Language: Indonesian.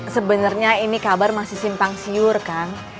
sebenarnya ini kabar masih simpang siur kan